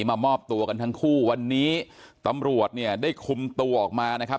มามอบตัวกันทั้งคู่วันนี้ตำรวจเนี่ยได้คุมตัวออกมานะครับ